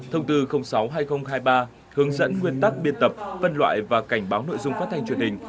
thông tư sáu hai nghìn hai mươi ba hướng dẫn nguyên tắc biên tập phân loại và cảnh báo nội dung phát thanh truyền hình